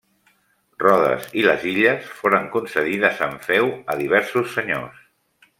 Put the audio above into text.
Rodes i les illes foren concedides en feu a diversos senyors.